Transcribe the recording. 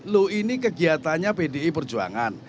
loh ini kegiatannya pdi perjuangan